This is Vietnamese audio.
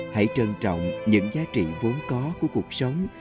hãy trân trọng những giá trị vốn có của cuộc sống